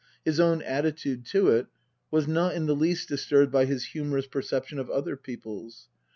His own attitude to it was not in the least disturbed by his humorous perception of other people's.